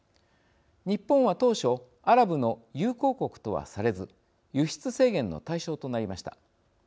日本は当初アラブの友好国とはされず輸出制限の対象となりました。